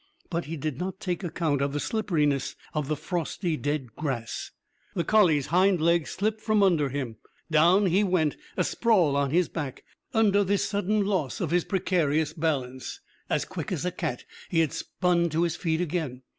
But he did not take account of the slipperiness of the frosty, dead grass. The collie's hind legs slid from under him. Down he went, asprawl on his back, under this sudden loss of his precarious balance. As quick as a cat he had spun to his feet again.